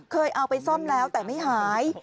เคยเอาไปซ่อมแล้วแต่ไม่หาย